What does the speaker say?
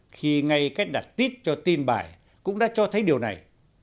khi ngay cách đặt tít cho tin bài cũng đã cho thấy điều này